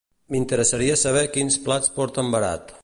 M'interessaria saber quins plats porten verat.